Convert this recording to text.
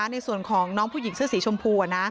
ในส่วนของน้องผู้หญิงเสื้อสีชมพู